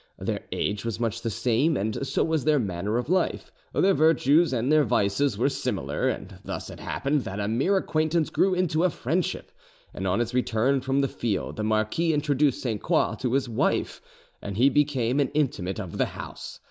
Their age was much the same, and so was their manner of life: their virtues and their vices were similar, and thus it happened that a mere acquaintance grew into a friendship, and on his return from the field the marquis introduced Sainte Croix to his wife, and he became an intimate of the house.